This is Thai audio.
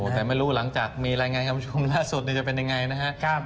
แต่ไม่รู้หลังจากมีรายงานคำชมล่าสุดจะเป็นยังไงนะครับ